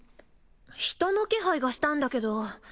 人の気配がしたんだけど。